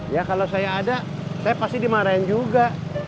ya kalau saya ada saya pasti dimarahin juga